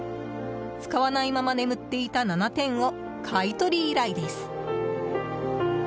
使わないまま眠っていた７点を買い取り依頼です。